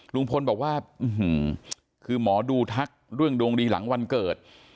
ลุงพลบอกว่าคือหมอดูทักเรื่องดวงดีหลังวันเกิด